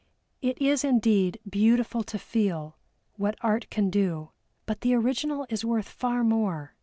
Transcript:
It is indeed beautiful to feel what Art can do, but the original is worth far more.